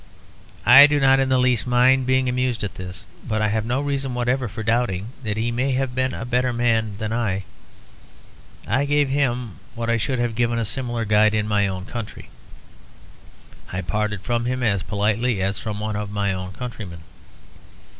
I do not in the least mind being amused at this; but I have no reason whatever for doubting that he may have been a better man than I. I gave him what I should have given a similar guide in my own country; I parted from him as politely as from one of my own countrymen.